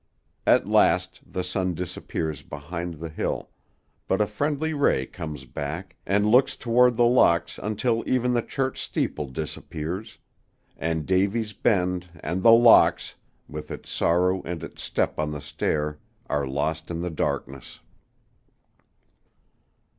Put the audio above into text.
At last the sun disappears behind the hill, but a friendly ray comes back, and looks toward The Locks until even the church steeple disappears; and Davy's Bend, and The Locks, with its sorrow and its step on the stair, are lost in the darkness.